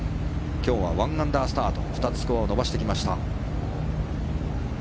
今日は１アンダースタート２つスコアを伸ばしてきました。